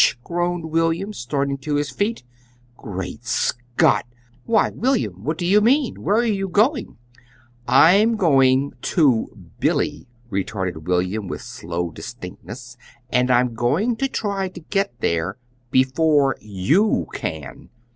groaned William, starting to his feet. "Great Scott!" "Why, William, what do you mean? Where are you going?" "I'm going to Billy," retorted William with slow distinctness. "And I'm going to try to get there before you CAN!"